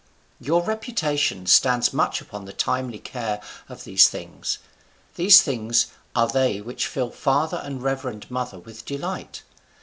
Your reputation stands much upon the timely care of these things; these things are they which fill father and reverend mother with delight.